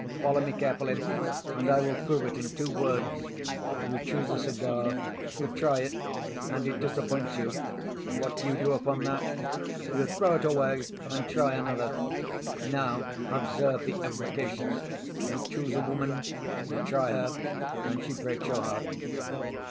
Follow me carefully, and I will prove it in two words. You choose a cigar, you try it, and it disappoints you. What do you do upon that? You throw it away and try another. Now observe the application! You choose a woman, you try her, and she breaks your heart.